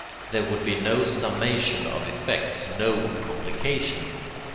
There would be no summation of effects, no complication.